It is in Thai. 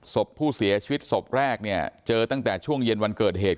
ศพผู้เสียชีวิตศพแรกเนี่ยเจอตั้งแต่ช่วงเย็นวันเกิดเหตุ